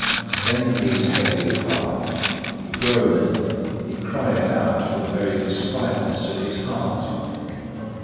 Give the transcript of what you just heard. Then he is heavy of heart, he groaneth, he crieth out for the very disquietness of his heart.